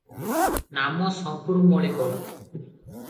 ନାମ ଶଙ୍କ୍ରୁ ମଳିକ ।